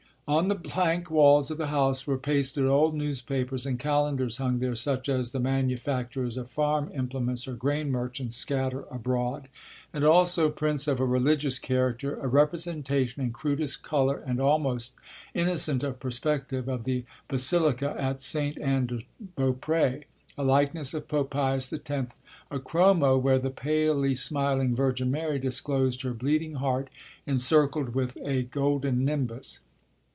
On the plank walls of the house were pasted old newspapers, and calendars hung there such as the manufacturers of farm implements or grain merchants scatter abroad, and also prints of a religious character; a representation in crudest colour and almost innocent of perspective of the basilica at Ste. Anne de Beaupre , a likeness of Pope Pius X.; a chromo where the palely smiling Virgin Mary disclosed her bleeding heart encircled with a golden nimbus.